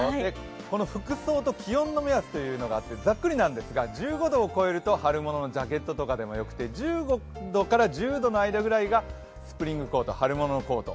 この服装と気温の目安というのがあって、ざっくりなんですが、１５度を超えると春物のジャケットでもよくて１５度から１０度の間ぐらいがスプリングコート、春物のコート。